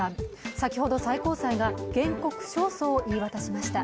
先ほど、最高裁が原告勝訴を言い渡しました。